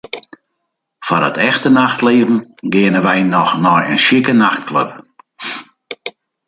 Foar it echte nachtlibben geane wy noch nei in sjike nachtklup.